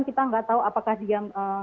kita nggak tahu apakah dia